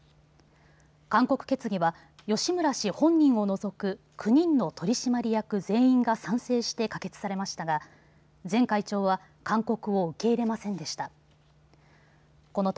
勧告決議は吉村氏本人を除く９人の取締役全員が賛成して可決されましたが前会長は勧告を受け入れませんでした。